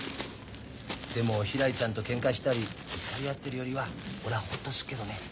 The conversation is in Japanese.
でもひらりちゃんとけんかしたりぶつかり合ってるよりは俺はホッとするけどね。